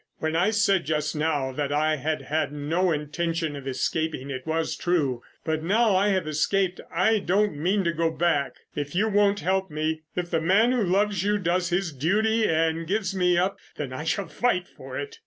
When I said just now that I had had no intention of escaping it was true. But now I have escaped I don't mean to go back. If you won't help me, if the man who loves you does his duty and gives me up, then I shall fight for it."